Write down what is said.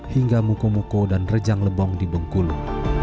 hingga mukomuko dan rejang lebong di bengkulu